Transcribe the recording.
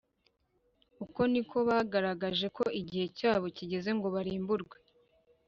Uko ni ko bagaragaje ko igihe cyabo kigeze ngo barimburwe